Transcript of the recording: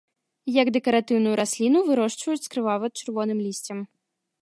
Як дэкаратыўную расліну вырошчваюць з крывава-чырвоным лісцем.